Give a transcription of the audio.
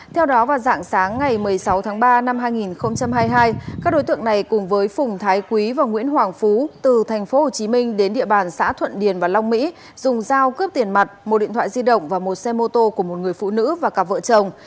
theo đó vào dạng sáng ngày một mươi sáu tháng ba năm hai nghìn hai mươi hai các đối tượng này cùng với phùng thái quý và nguyễn hoàng phú từ tp hcm đến địa bàn xã thuận điền và long mỹ dùng dao cướp tiền mặt một điện thoại di động và một xe mô tô của một người phụ nữ và cặp vợ chồng